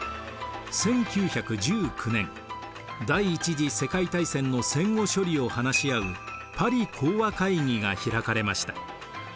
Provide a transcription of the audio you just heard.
１９１９年第一次世界大戦の戦後処理を話し合うパリ講和会議が開かれました。